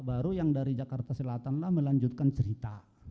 baru yang dari jakarta selatan lah melanjutkan cerita